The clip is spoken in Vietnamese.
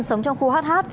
sống trong khu hh